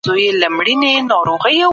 انسانان د ټولنيز رفتار له مخې تعامل کوي.